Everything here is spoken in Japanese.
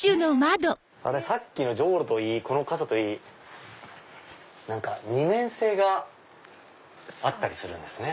さっきのじょうろといいこの傘といい二面性があったりするんですね。